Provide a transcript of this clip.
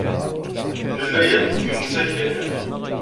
Nella akk deg yiwen n usakal.